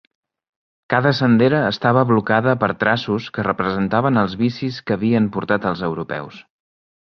Cada sendera estava blocada per "traços" que representaven els vicis que havien portat els europeus.